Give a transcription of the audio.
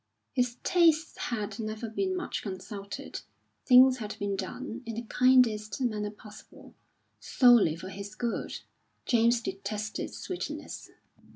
His tastes had never been much consulted; things had been done, in the kindest manner possible, solely for his good. James detested sweetness.